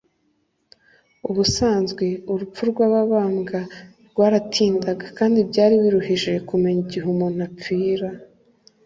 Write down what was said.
Ubusanzwe urupfu rw'ababambwa rwaratindaga kandi byari biruhije kumenya igihe umuntu apfira.